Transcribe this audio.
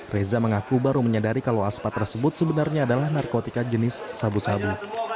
reza mengaku baru menyadari kalau aspa tersebut sebenarnya adalah narkotika jenis sabu sabu